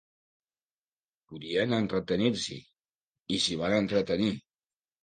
Podien entretenir-s'hi i... s'hi van entretenir.